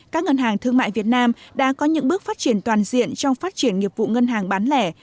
các ngân hàng thương mại việt nam đã có những bước phát triển toàn diện trong phát triển nghiệp vụ ngân hàng bán lẻ